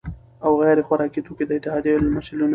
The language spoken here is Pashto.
او غیر خوراکي توکو د اتحادیو له مسؤلینو،